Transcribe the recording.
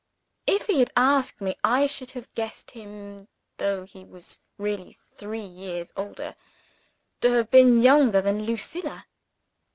If he had asked me, I should have guessed him (though he was really three years older) to have been younger than Lucilla.